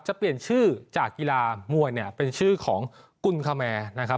จะเปลี่ยนชื่อจากกีฬามวยเนี่ยเป็นชื่อของกุลคแมร์นะครับ